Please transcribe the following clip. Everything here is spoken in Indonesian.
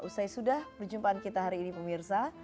usai sudah perjumpaan kita hari ini pemirsa